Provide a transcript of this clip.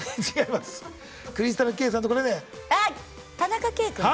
田中圭君だ。